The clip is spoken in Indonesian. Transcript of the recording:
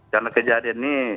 karena kejadian ini